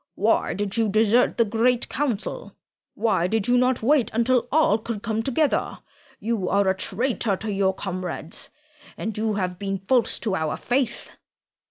Why did you desert the Great Council? Why did you not wait until all could come together? You are a traitor to your comrades, and you have been false to our faith."